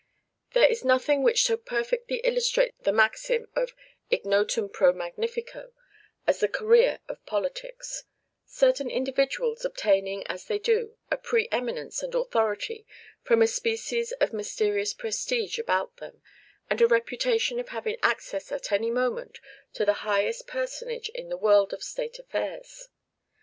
There is nothing which so perfectly illustrates the maxim of ignotum pro magnifico as the career of politics; certain individuals obtaining, as they do, a pre eminence and authority from a species of mysterious prestige about them, and a reputation of having access at any moment to the highest personage in the world of state affairs.